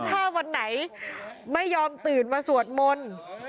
ถ้าวันไหนไม่ยอมตื่นมาสวดมนต์